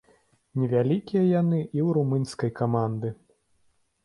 Невялікія яны і ў румынскай каманды.